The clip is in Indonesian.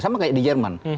sama kayak di jerman